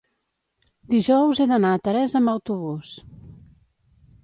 Dijous he d'anar a Teresa amb autobús.